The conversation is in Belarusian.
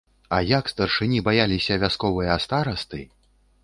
А як старшыні баяліся вясковыя старасты!